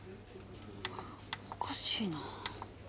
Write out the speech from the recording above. おかしいな。